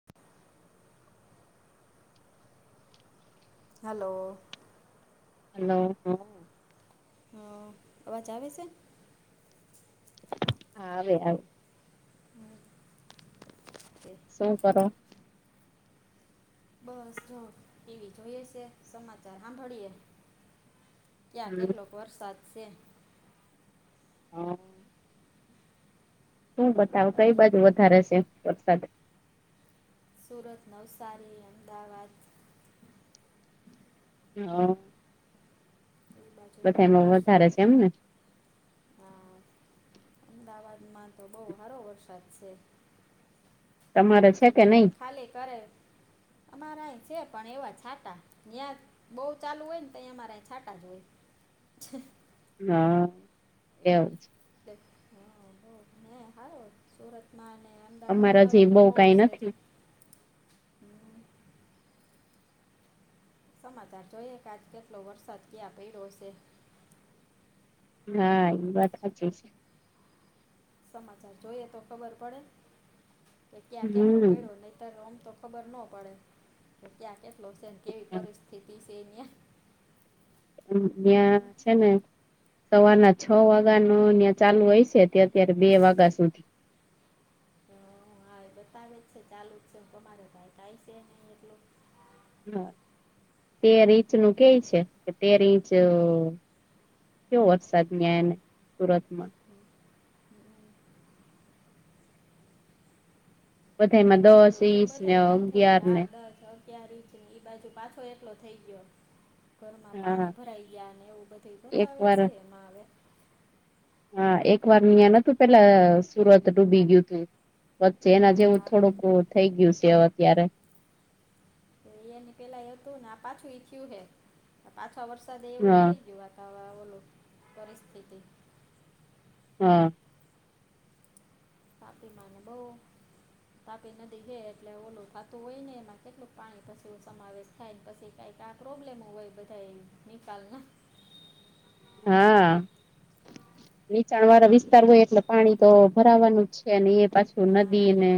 [inaudible] હાલો. Hello હ. હ અવાજ આવે છે. હા આવે આવે. હ તે [unintelligible] શું કરો. બસ જો ટીવી જોઈએ છે સમાચાર સાંભળીએ. ત્યાં હમ કેટલો વરસાદ છે. હમ. શું બતાવ કઈ અત્યારે બાજુ વધારે છે વરસાદ. સુરત નવસારી અમદાવાદ. હા [unintelligible] એ બાજુ બધા એમાં વરસાદ વધારે છે એમને. હા અમદાવાદમાં તો બહુ હારો વરસાદ છે. તમારે કઈ છે કે જગ્યા નહી એ ખાલી કરે અમારાય છે પણ એવા છાટા ત્યાં. બહ ચાલુ હોય ને તો અહીંયા અમારે છાટ જ હોય. હા કેવું છે. હ બ હ હ [unintelligible] સુરતમાં અને અમદા અમારે હજી બઉ અમદાવાદમાં બહુ કઈ છે. નથી હમ સમાચાર જોઈએ કે આજ કેટલો વરસાદ ક્યાં પડ્યો છે. હા એ વાત હાચી છે. સમાચાર જોઈએ તો ખબર પડે કે ક્યાં કેટલો હમ પડ્યો નહીતર આમ તો. ખબર ન પડે કે ક્યાં કેટલો છેને કેવી પરિસ્થિતિ છે અહીંયા. ત્યાં છે ને. સવારના છ વાગ્યા નું ચાલુ હોય છે તે અત્યારે બે વાગ્યા સુધી હવે બતાવે જ છે ચાલુ જ છે તમારે ભાઈ કાય છે નહી એટલું હા તેર ઇંચ નું કેય છે કે તેર ઇંચ કયો વરસાદ ન્યાંને સુરત માં બધી બધામાં દસ હોટલો જો વીસ ને બધ બંધ થઈ અગિયાર ગયા ને હા દસ ત્યારે એઈ બાજુ પાછો એકલો થઈ ગયો. ઘરમાં હા પાણી ભરાઈ ગયા ને એવું બધું એક બતાવે વાર છે એમાં આવે હા એક વાર નહિં તું પેલા સુરત ડૂબી ગયું તું વચ્ચે એના જેવું હા થોડુંક થઈ ગયું છે અત્યારે તો એની પેલા એવ હતું ને આ પાછું ઈ થયું હે પાછા વરસાદ એવું જ હા થઈ ગયું આ ખાવા ઓલું પરિસ્થિતિ. હા. તાપીમાનુ બઉ તાપી નદી હે એટલે ઓલું ખાતું હોય ને એમાં કેટલું પાણી પછી સમાવેશ થાય ને પછી કાંઈક આ પ્રોબ્લેમ હો હોય એ બધા નિકાલના હા. [unintelligible] [inaudible] નીચાણ વાળા વિસ્તાર હોય એટલે પાણી તો ભરાવાનું જ છે અને એ પાછું હા નદી ને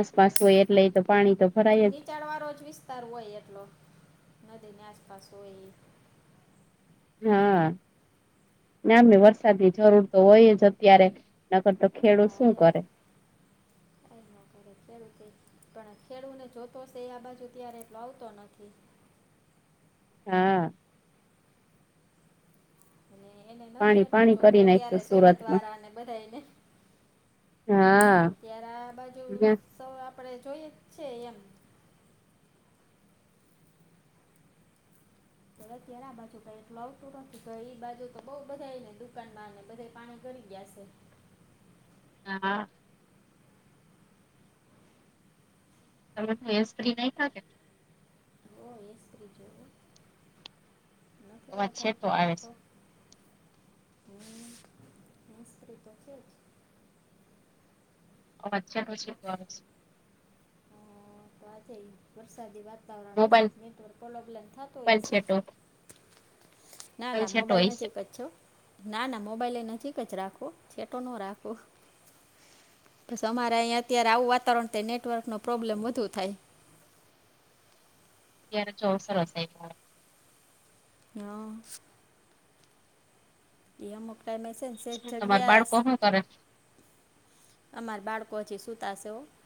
આસપાસ હોય એટલે એ તો પાણી તો એ ભરાય જ નીચાણ વાળો જ વિસ્તાર હોય એટલો નદીની આસપાસ હોય એ હા ત્યાં વરસાદ ની જરૂર તો હોય જ અત્યારે નકર તો ખેડૂ શું કરે? હમ [unintelligible] ખેડુતે પણ ખેડૂુ ને જોતોશે આ બાજુ ત્યારે એટલો આવતો નથી. હા. અને એને પાણી નથી એટલો પાણી કરી જોતું નાખ્યું અત્યારે સુરત સુરતમાં વાળાને બધાને હા આ બાજુ સૌ આપણે જોઈએ જ છે એમ હવેત્ય્યારે આ બાજુ કઈટું આવતું નતું તો એઈ બાજુ તો બઉ બધા ને દુકાનમાં ને બધા પાણી ચડિગયા છે. હા ું એ સ્ત્રી નહી થાય. ઓ એસ રી જો [unintelligible] અવાજ છેટો આવે હ મસ્તીછે. અ્ચાછી બસ [unintelligible] અ, તો વરસાદી વાતાવરણ હ મોબાઈલ છે નેટવર્ પ્રોબ્લેમ થતો હોય મોબાઈલ છે. છેટો ના ના છેટો મોબાઈલ હોય છે નજીક જ છો ના ના મોબાઈલ એ નજીક જ રાખો છેટો ન રાખો બસ અમારે અહીંયા અત્યારે આવું વાતાવરણ નેટવર્કનો પ્રોબ્લેમ વધુ થાય. અત્યારે ચોસ રસાય હા એ અમુક ટાઈમે હ છે ને શ શું તમાર જગ્યા બાળકો શું કરે અમાર બાળકો હછ સુુંતાશેવ-'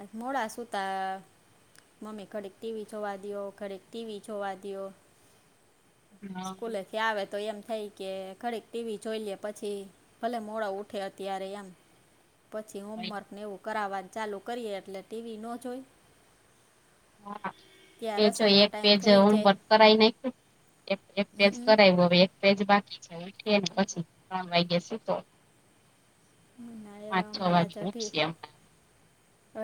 આ મોડા સુુંતા મમ્મી ઘડિક ટીવી જોવા દે ઘડિક ટીવી જેવાદે સ્કૂલે થી આવે તો એમ થઈ કે ખડીક ટીવી જોઈ લે પછી ભલે મોડા ઉઠે અત્યારે એમ પછી હોમવર્કને એવું કરાવવાનું ચાલુ કરીએ એટલે ટીવી ન જોઈ. હા ત્યાં એ જો રસોઈનો એક ટાઈમ પેજ થઈ હું જાય કરાવ ન એક પેજ હમ, કરાયું હવે એક બે જ બાકી છે. ઉઠીયે ને પછી ત્રણ વાગ્યા સુતો. હમ ના એ પાંચ છ અમારા જ વાગે ઉઠ અઢી છે એમ.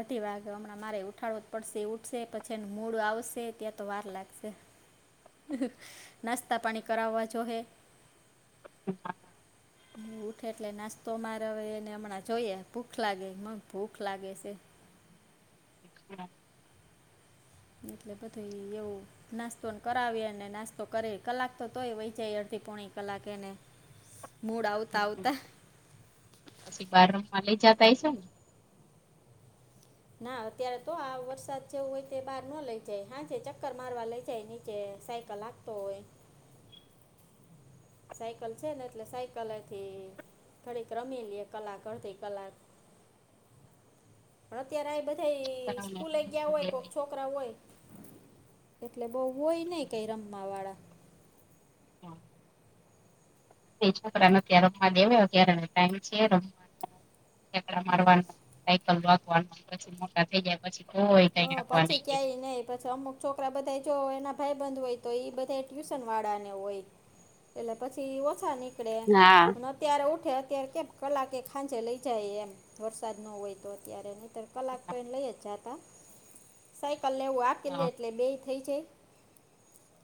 અઢી વાગે હમણાં મારે ઉઠાડવો જ પડશે ઉઠશે પછી એ મૂડ આવશે ત્યાં તો વાર લાગશે. નાસ્તા પાણી કરાવવા જો હે. હચા [inaudible] હ [inaudible] હ ઉઠે એટલે નાસ્તો મારવે એને હમણાં જોઈએ ભૂખ લાગે, મને ભૂખ લાગે,, પઠ [inaudible] હા [inaudible] મતલબ થઈ એવું. નાસ્તોને કરાવી અને નાસ્તો કરે કલાક તો તોય વહી જાય અડધી પોણી કલાક એને. મૂડ આવતા આવતા. પછી બાર રમ માં લઈ જતા હઈ છે ને? ના અત્યારે તો આ વરસાદ જેવું હોય તે બહાર ન લઈ જાય, હા જે ચક્કર મારવા લઇ જાય નીચે સાય કલાક તો હોય સાયકલ છે ને એટલે સાયકલથી થડીક રમીલીએ કલાક અરથી કલાક, [unintelligible] પણ અત્યારે આ બધ થઈ સ્કૂલે ગયા હોય છો છોકરાઓ હોય એટલે બહુ હોય નહ કઈ રમવા વાળા. હમ છોકરા ન ત્યાં રૂમમાં દેવાય અત્યારે એનો ટાઈમ છે રૂમ [inaudible] ઠેકડા મારવાનું. સાયકલ વાગવાનુ, પછી મોટા થઈ જાય પછી [inaudible] હ નહી પછી દે ક્યાંય નહી પછી અમુક છોકરા બધા જો એના ભાઈ બંધ હોય તો એ બધા ટ્યુશન વાળાને હોય. એટલે પછી એ ઓછા નીકળે હા હ અત્યારે ઉઠે અત્યારે કેમ કલાકે ખાંજે લઇ જાય એમ વરસાદ ન હોય તો અત્યારે ન, ર કલાક તો એને લઈ જ જાતા સાયકલ લેવું આપી લે હા એટલે બે થઈ જાય.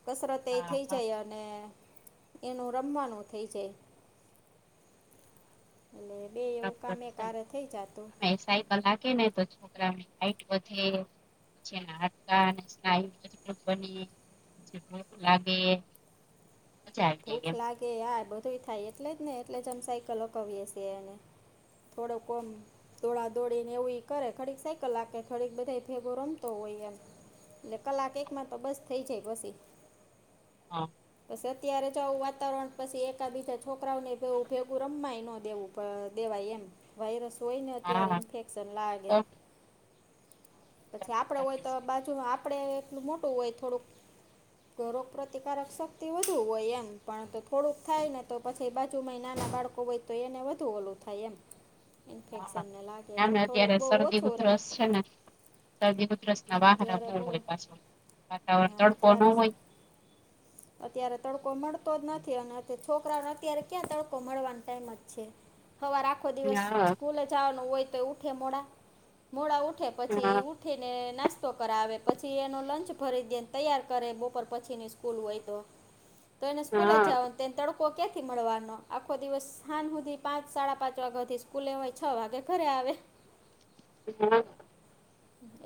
કસરત એ હા થઈ હા જાય અને એનું રમવાનું થઈ જાય. એટલે બેય [inaudible] સાઈકલ હાંકે ને તો છોકરાઓની હાઇટ વધે, પછીના હાડકાં અને સ્નાયુ મજબુત બને. [inaudible] લાગે મજા આવી જાય ભૂખ એમ લાગે આ બધું થાય એટલે જ ને, એટલે જ અમ સાયકલ અપાવીય છે એને. થોડો કોમ દોડા દોડી ને એવું કરે, ખડીક સાયકલે હાંકે ખડીક બધા ભેગો રમતો હોય એમ. એટલે કલાક એકમાં તો બસ થઈ જાય પછી. હા પછ અત્યારે જવું વાતાવરણ પછી એકા બીજા છોકરાઓને ભેગું રમાય ન દેવું દેવાય એમ. વાયરસ હોય ને અત્યારે હા ઇન્ફેક્શન લાગે. તો પછી આપડ હોય સાચી તો છે બાજુ ન આપણે એટલું મોટું હોય થોડુંક, તો રોગ પ્રતિકારક શક્તિ વધ વધું હોય એમ પણ તો થોડુંક થાય ને તો પછી બાજુમાં નાના બાળકો હોય તો એને વધુ ઓલું થાય એમ. હા ઇન્ફેક્શનને લાગે એને એટલે થોડુંક અત્યારે બહુ શરદી ઓછું રમે ઉધરસ છે ને શરદી ઉધરસ ના હા વાહાર ત્યારે બહુ હોય પાછું વાતાવરણ હા તડકો ન ત્યારે હોય, અત્યારે! તડકો મળતો જ નથી અને છોકરાને અત્યારે ક્યાં તડકો મળવાનો ટાઈમ જ છે. હવારે આખો દિવસ હા સ્કૂલે જવાનું હોય તો ઉઠે મોડા, મોડા ઉઠે પછી હા ઉઠીને નાસ્તો કરાવે પછી એનો લંચ ભરી દેને તૈયાર કરે બપોર પછીની સ્કૂલ હોય તો તો એને સ્કૂલે હા જવા તેને તડ ક્યાંથી મળવાનો આખો દિવસ સાજ સુધી પાંચ સાડા પાંચ વાગ્યા થી સ્કૂલવાય છ વાગે ઘરે આવે [unintelligible] હમ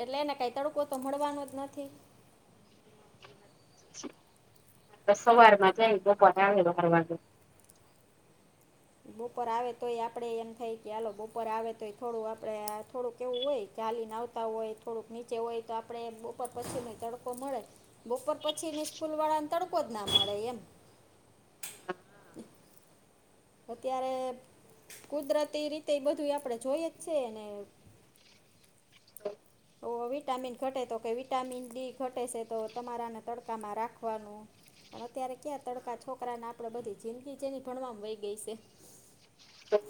એટલે એને કઈ તડકો તો મળવાનો જ નથી સવારમાં જાય બપોરે આવે બાર વાગે બપોર આવે તોય આપડે એમ થાય કે આાલો બપોર આવે તોય થોડું આપડે થોડું કેવું હોય ચાલી ના આવ હોય થોડુંક નીચે હોય તો આપણે બપોર પછીનો તડકો મળે બપોર પછીની સ્કૂલ વાળા ને તડકો જ ના મળે એમ અત્યારે કુદરતી રીતે એ બધું આપણે જોઈએ જ છે ને હો વિટામિન ઘટે તો કે વિટામિન ડી ઘટે છે તો તમારે આને તડકામાં રાખવાનું પણ અત્યારે ક્યાં તડકા છોકરાને આપડે બધી જિંદગી જેની ભણવાવામાં વય ગઈ છે હમ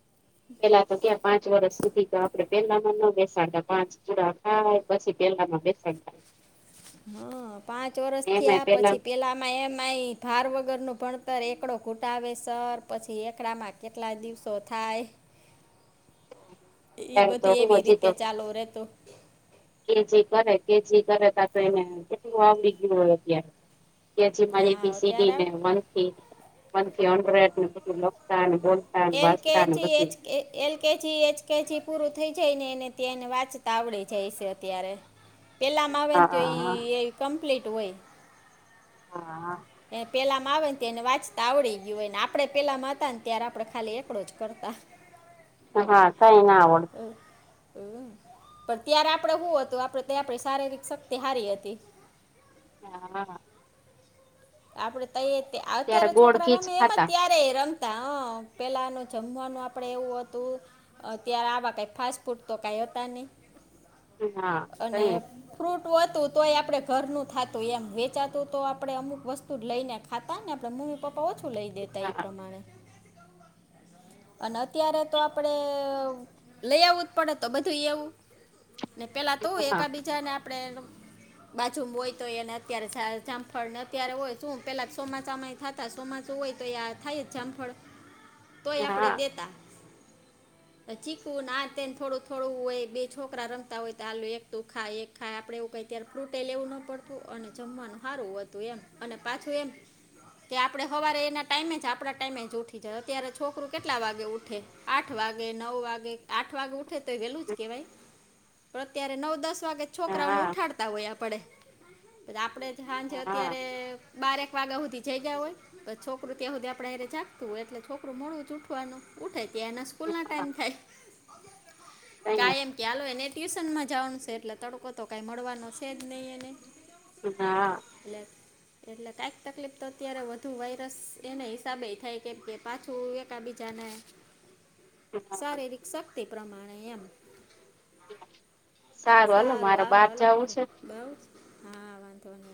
[inaudible] પેલા તો ક્યાં પાંચ વર્ષ સુધી તો આપડે પેહલામાં ન બેસાતા પાંચ પુરા થાય પછી પહેલામા બેસાડતા હા પાંચ વર્ષ થયા પછી પેલા એમાય માય ભાર વગર નું ભણતર એકડો ઘૂટાવે સર પછી એકડા માં કેટલાય દિવસો થાય ઈ ત્યારે તો બધી હું એવી હજી રીતે તો ચાલુ રહેતું કેજી કરે કેજી કરે તા તો એને કેટલું આવડી ગયું હોય અત્યારે કે અજી મારે હા અત્યારે એબીસીડી ને આવડે વન થી વન થી હન્ડ્રેડ ને બધું લખતા ને બોલતા વાચતાને બધું એલ કેજી એચ કેજી પૂરું થઈ જાય ને એને ત્યાં એને વાંચતા આવડી જાય છે અત્યારે પેલા માં આવે ને તો એ હા એ કમ્પ્લીટ હોય હા એને પેલામાં આવે ને એને વાંચતા આવડી ગયું હોય ને આપડણે પેલામાં હતા ને ત્યારે આપડે ખાલી એકડો જ કરતા હા કઈ ના આવડ પણ ત્યારે આપણે શું હતું આપણે આપણે શારીરિક શક્તિ સારી હતી હા આપડે ત ત્યારે અત્યારે ગોળ છોકરા ઘીચ રમે એમ જ ખાતા ત્યા રમતા હ પેલાનું જમવાનું આપડે એવું હતું અ ત્યારે આવા કઈ ફાસ્ટ ફૂડ તો કઈ હતા નહી હા અને તઈ ફ્રૂટ હતું તો એ આપડે ઘરનું થાતું એમ વેચાતું તો આપડે અમુક વસ્તુ વસ્તુ લઈને ખાતા ને આપડે મમ્મી પપ્પા ઓછું લઈ દેતા એ હા પ્રમાણે અને અત્યારે તો આપણે લઈ આવવું જ પડે તો બધું એવું ને પેલા તો એક બીજાને આપણે બાજુમાં હોય તો એને અત્યારે જામફળ ને અત્યારે હોય શું પેલા ચોમાસામાં થતા ચોમાસું હોય તો એ થાય જ જામફળ તોય આપણે હા દેતા ચીખવું ના તેને થોડું થોડું હોય બે છોકરા રંગતા હોય તો આલું એક તું ખાય ખાય આપડે એવું કઈ ત્યારે ફ્રૂટે લેવું ન પડતું અને જમવાનું સારું હતું એમ અને પાછું એમ કે આપડે સવારે એના ટાઈમે જ આપડા ટાઈમે જ ઉઠી જ અત્યારે છોકરું કેટલા વાગે ઉઠે આઠ વાગે નવ વાગે આઠ વાગે ઉઠે તો વેલું જ કેવાય તો અત્યારે નવ દસ વાગે છોકરાઓને હા ઉઠાડતા હોય પડે પ આપડે સાંજ હા અત્યારે બારેક વાગ્યા સુધી જઈ ગયા હોય છ છોકર ત્યાં સુધી આપડે એ જાગતું હોય એટલે છોકું મળું જ ઉઠવાનું ઉઠે ત્યાં એના સ્કૂલ ના ટાઈમ થાય કઈ ના કાયમ કેાલો એને ટ્યુશન માં જવાનું છે એટલે તડકો તો કાંઈ મળવાનો છે જ નહીં એને હા એટલે- એટલે કાંક તકલીફ તો અત્યારે વધુ વાયરસ એના હિસાબે થાય કેમ કે પાછું એકા બીજા ના- [inaudible] હ [unintelligible] શારીરિક શક્તિ પ્રમાણેયમ- સારું હલો મારે બાર હારું આ લોકો જવું છે. બહુ જ- હા વાન તોન-